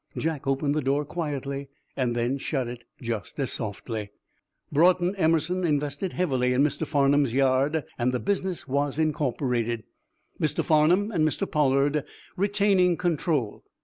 Jack opened the door quietly, then shut it just as softly. Broughton Emerson invested heavily in Mr. Farnum's yard and the business was incorporated, Mr. Farnum and Mr. Pollard retaining control.